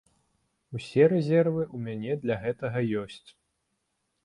Усе рэзервы ў мяне для гэтага ёсць.